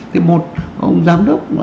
thì một ông giám đốc